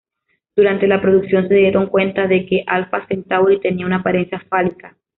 Durante la producción se dieron cuenta de que Alfa Centauri tenía una apariencia fálica.